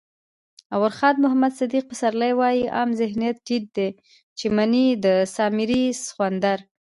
ارواښاد محمد صدیق پسرلی وایي: عام ذهنيت ټيټ دی چې مني د سامري سخوندر.